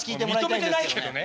認めてないけどね。